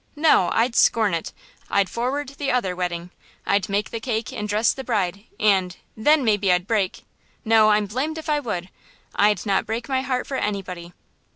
No, I'd scorn it; I'd forward the other wedding; I'd make the cake and dress the bride and–then maybe I'd break–no, I'm blamed if I would! I'd not break my heart for anybody.